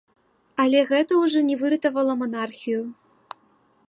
Але гэта ўжо не выратавала манархію.